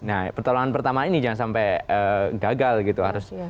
nah pertolongan pertama ini jangan sampai gagal gitu harus